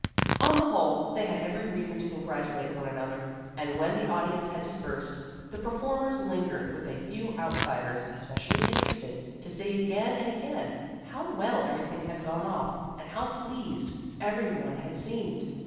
On the whole, they had every reason to congratulate one another, and when the audience had dispersed, the performers lingered with a few outsiders especially interested, to say again and again, how well everything had gone off, and how pleased every one had seemed.